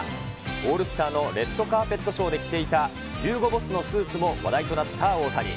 オールスターのレッドカーペットショーで着ていたヒューゴ・ボスのスーツも話題となった大谷。